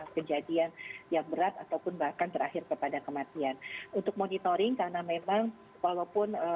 kejadian yang berat ataupun bahkan terakhir kepada kematian untuk monitoring karena memang walaupun